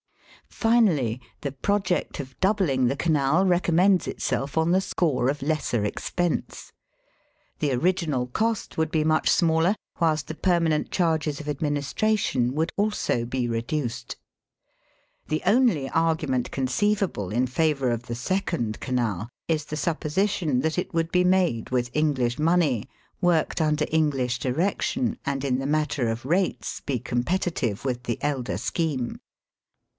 Finally, the project of doubling the Canal recommends itself on the score of lesser expense. The original cost would be much smaller, whilst the permanent charges of administration would also be reduced. The only argument conceivable in favour of the second canal is the supj)Osition that it would be made with EngUsh money, worked under English direction, and in the matter of rates be competitive with the elder scheme.